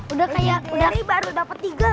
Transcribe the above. udah kayak baru dapat tiga